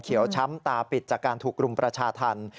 ช้ำตาปิดจากการถูกรุมประชาธรรม